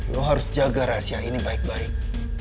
lo harus jaga rahasia ini baik baik